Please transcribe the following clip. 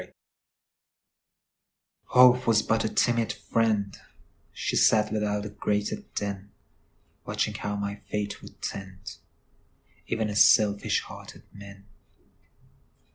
Hope Was but a timid friend; She sat without the grated den, Watching how my fate would tend, Even as selfish hearted men.